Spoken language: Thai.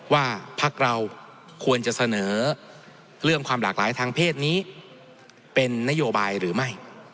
ว่าพักเราควรจะเสนอเรื่องความหลากหลายทางเพศนี้เป็นนโยบายหรือไม่